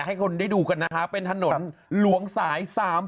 ให้คนได้ดูกันนะคะเป็นถนนหลวงสาย๓๔